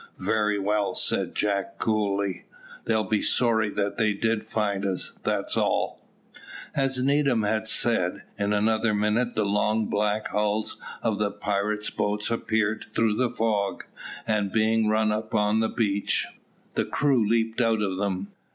"Very well," said Jack, coolly. "They'll be sorry that they did find us, that's all." As Needham had said, in another minute the long black hulls of the pirate's boats appeared through the fog, and being run up on the beach, the crew leaped out of them.